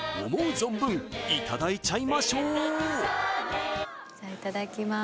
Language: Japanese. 存分いただいちゃいましょうじゃいただきます